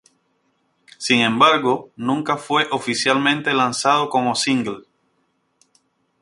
Sin embargo nunca fue oficialmente lanzado como single.